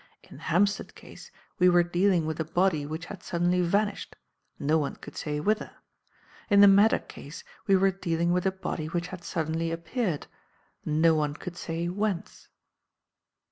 In the Hampstead case we were dealing with a body which had suddenly vanished, no one could say whither; in the Maddock case we were dealing with a body which had suddenly appeared, no one could say whence.